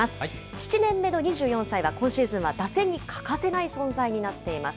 ７年目の２４歳は今シーズンは打線に欠かせない存在になっています。